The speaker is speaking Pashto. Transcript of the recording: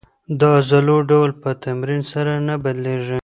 د عضلو ډول په تمرین سره نه بدلېږي.